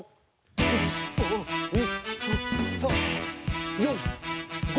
１２３４５。